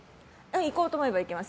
いこうと思えばいけます。